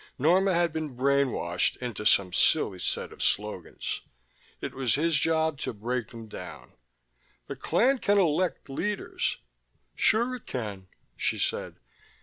Norma had been brain washed into some silly set of slogans: it was his job to break them down. "The clan can elect leaders " "Sure it can," she said.